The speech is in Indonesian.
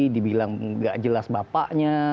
dibilang gak jelas bapaknya